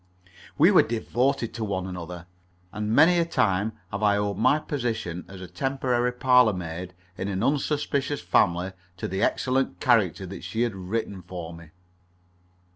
We were devoted to one another, and many a time have I owed my position as temporary parlour maid in an unsuspicious family to the excellent character that she had written for me.